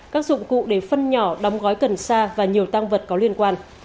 các dụng cụ để phân nhỏ đóng gói cần sa và nhiều tăng vật có liên quan